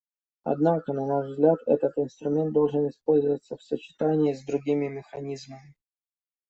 Однако, на наш взгляд, этот инструмент должен использоваться в сочетании с другими механизмами.